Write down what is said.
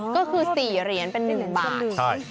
ก็คือ๔เหรียญเป็น๑บาท